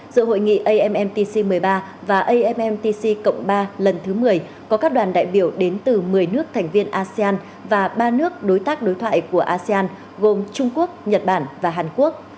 giữa hội nghị ammtc một mươi ba và ammtc cộng ba lần thứ một mươi có các đoàn đại biểu đến từ một mươi nước thành viên asean và ba nước đối tác đối thoại của asean gồm trung quốc nhật bản và hàn quốc